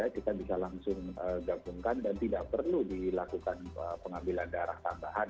kita bisa langsung gabungkan dan tidak perlu dilakukan pengambilan darah tambahan